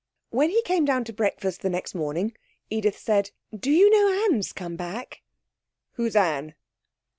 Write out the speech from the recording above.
When he came down to breakfast the next morning, Edith said 'Do you know Anne's come back?' 'Who's Anne?'